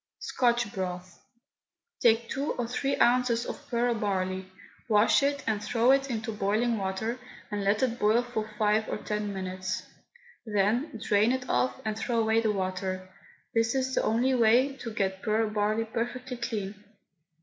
SCOTCH BROTH. Take two or three ounces of pearl barley, wash it, and threw it into boiling water, and let it boil for five or ten minutes. Then drain it off and threw away the water. This is the only way to get pearl barley perfectly clean.